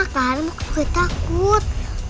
karena aku takut